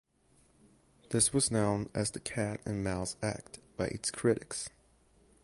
This was known as the Cat and Mouse Act by its critics.